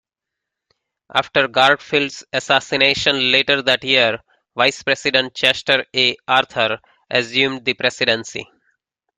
After Garfield's assassination later that year, Vice President Chester A. Arthur assumed the presidency.